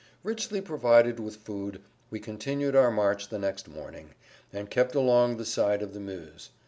Richly provided with food we continued our march the next morning, and kept along the side of the Meuse.